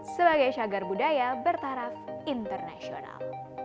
sebagai cagar budaya bertaraf internasional